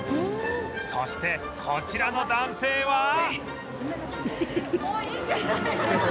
そしてこちらの男性は